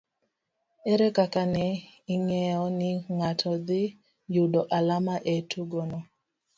Ere kaka ne ing'eyo ni ng'ato dhi yudo alama e tugono